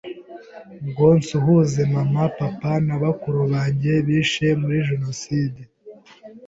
ngo nsuhuze mama, papa na bakuru banjye bishe muri genocide